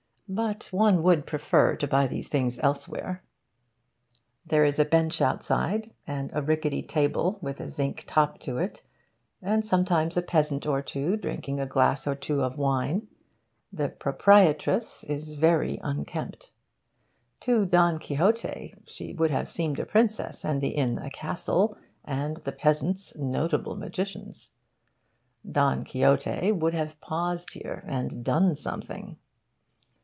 But one would prefer to buy these things elsewhere. There is a bench outside, and a rickety table with a zinc top to it, and sometimes a peasant or two drinking a glass or two of wine. The proprietress is very unkempt. To Don Quixote she would have seemed a princess, and the inn a castle, and the peasants notable magicians. Don Quixote would have paused here and done something.